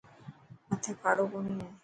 مٿي ڪاڙو ڪوني هي.